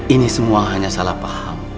ini semua hanya salah paham